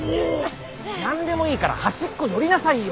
何でもいいから端っこ寄りなさいよ！